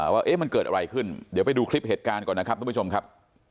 ว่ามันเกิดอะไรขึ้นเดี๋ยวไปดูคลิปเหตุการณ์ก่อนนะครับทุกผู้ชมครับ